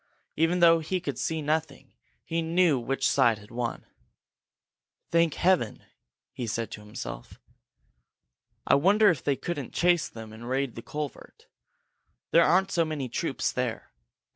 Even though he could see nothing, he knew which side had won. "Thank Heaven!" he said to himself. "I wonder if they couldn't chase them and raid the culvert. There aren't so many troops there!